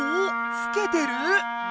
ふけてる？